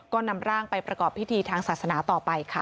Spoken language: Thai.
ก็นำร่างไปประกอบพิธีทางศาสนาต่อไปค่ะ